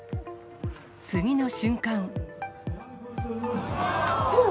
次の瞬間。